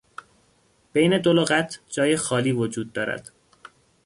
بین دو لغت جای خالی وجود دارد.